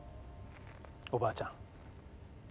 おばあちゃん。